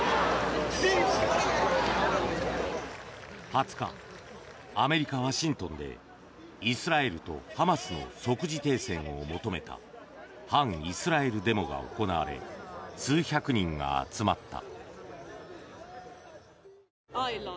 ２０日アメリカ・ワシントンでイスラエルとハマスの即時停戦を求めた反イスラエルデモが行われ数百人が集まった。